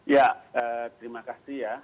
ya terima kasih ya